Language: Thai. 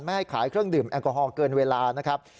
ให้ขายเครื่องดื่มแอลกอฮอลเกินเวลานะครับ